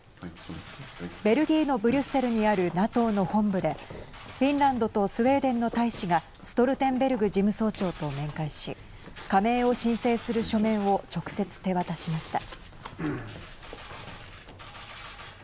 ベルギーのブリュッセルにあるＮＡＴＯの本部でフィンランドとスウェーデンの大使がストルテンベルグ事務総長と面会し加盟を申請する書面を直接、手渡しました。